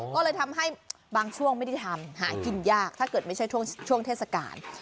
ก็เลยทำให้บางช่วงไม่ได้ทำหากินยากถ้าเกิดไม่ใช่ช่วงเทศกาล